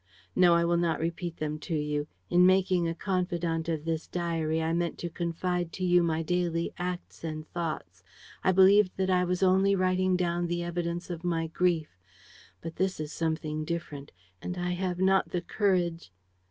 ... No, I will not repeat them to you. In making a confidant of this diary, I meant to confide to you my daily acts and thoughts. I believed that I was only writing down the evidence of my grief. But this is something different; and I have not the courage.